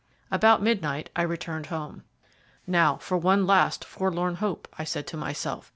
About midnight I returned home. "Now, for one last forlorn hope," I said to myself.